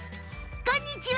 こんにちは。